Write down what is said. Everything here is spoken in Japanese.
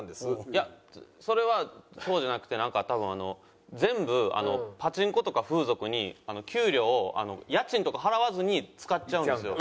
いやそれはそうじゃなくてなんか多分全部パチンコとか風俗に給料を家賃とか払わずに使っちゃうんですよ。